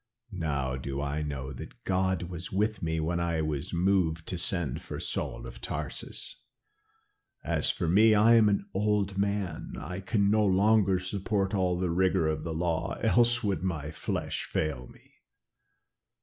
Now do I know that God was with me when I was moved to send for Saul of Tarsus. As for me, I am an old man. I can no longer support all the rigor of the law, else would my flesh fail me.